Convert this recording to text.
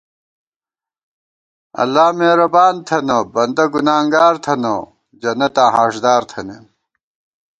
اللہ میرَبان تھنہ بندہ گُنانگار تھنہ جنتاں ہاݭدار تھنَئیم